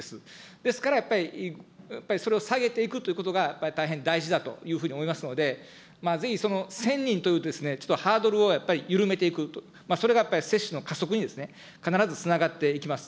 ですからやっぱり、それを下げていくっていうことがやっぱり大変大事だというふうに思いますので、ぜひその１０００人というちょっとハードルをやっぱり緩めていく、それがやっぱり接種の加速に必ずつながっていきます。